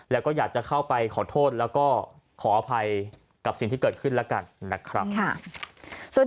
แล้วก็อยากจะเข้าไปขอโทษแล้วก็ขออภัยกับสิ่งที่เกิดขึ้นแล้วกันนะครับ